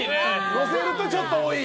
載せるとちょっと多い。